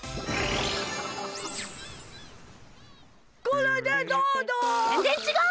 これでどうだ！